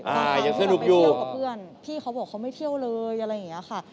อ่ายังสนุกอยู่พี่เค้าบอกเค้าไม่เที่ยวเลยอะไรอย่างนี้ค่ะ